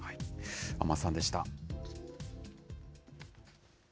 安間さんでした。